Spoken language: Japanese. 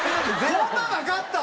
こんななかった？